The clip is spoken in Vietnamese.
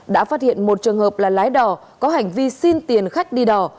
đã phát hiện một trường hợp là lái đò có hành vi xin tiền khách đi đò